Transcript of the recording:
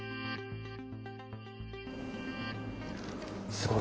すごい。